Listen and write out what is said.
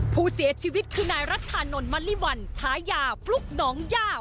ผู้เสียชีวิตคือนายรัฐธานนท์มะลิวันชายาฟลุ๊กน้องย่า